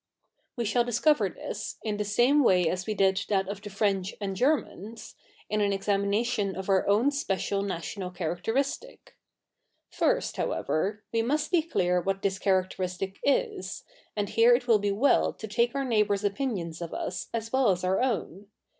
' We shall discover this, in the sa??ie ivay as we did that of the F?'e?ich and Ge?'??ians, in an examination of our own special national characteristic. First, however, 1 we ?nust be clear what this characteristic is : and here it will be well to take our neighbours' opinions of us as well as our 0W7t.